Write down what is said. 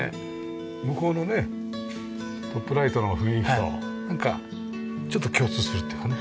向こうのねトップライトの雰囲気となんかちょっと共通するっていうかね。